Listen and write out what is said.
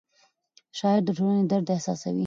شاعر د ټولنې درد احساسوي.